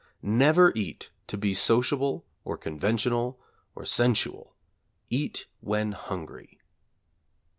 Never eat to be sociable, or conventional, or sensual; eat when hungry.